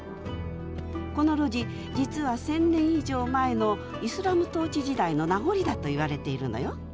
この路地実は１，０００年以上前のイスラム統治時代の名残だといわれているのよ！